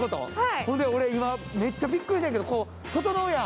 それで今、めっちゃびっくりしたんだけど、ととのうやん